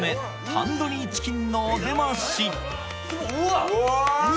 タンドリーチキンのお出ましすごいうわ！